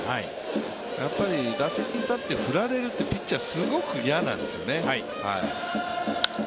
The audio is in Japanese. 打席に立って振られるとピッチャー、すごく嫌なんですよね。